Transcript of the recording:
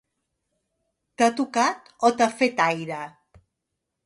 T'ha tocat o t'ha fet aire?